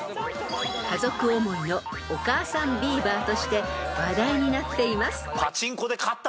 ［家族思いのお母さんビーバーとして話題になっています］